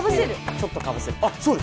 ちょっとかぶせる。